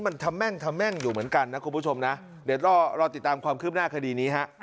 มันทะแม่งทะแม่งอยู่เหมือนกันนะคุณผู้ชมนะเดี๋ยวรอติดตามความคืบหน้าคดีนี้ฮะ